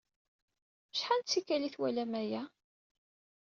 Acḥal n tikkal ay twalam aya?